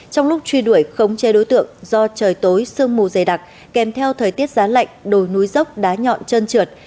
trong lúc truy đuổi không che đối tượng do trời tối sương mù dày đặc kèm theo thời tiết giá lạnh đồi núi dốc đá nhọn chân trượt